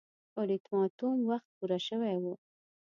اولتیماتوم وخت پوره شوی وو.